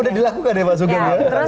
udah dilakukan ya pak sugeng ya